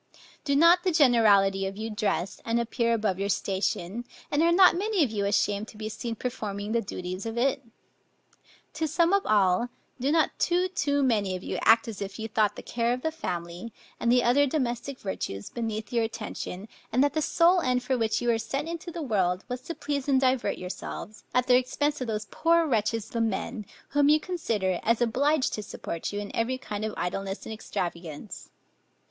Do not the generality of you dress, and appear above your station, and are not many of you ashamed to be seen performing the duties of it? To sum up all, do not too, too many of you act as if you thought the care of a family, and the other domestic virtues, beneath your attention, and that the sole end for which you were sent into the world, was to please and divert yourselves, at the expense of those poor wretches the men, whom you consider as obliged to support you in every kind of idleness and extravagance?